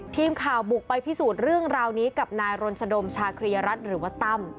ทีมข่าวบุกไปพิสูจน์เรื่องราวนี้กับนายรณสดมชาครียรัฐหรือว่าตั้ม